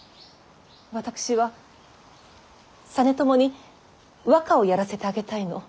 私は実朝に和歌をやらせてあげたいの。